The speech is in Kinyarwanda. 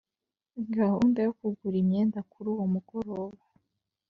gahunda yo kugura imyenda kuruwo mugoroba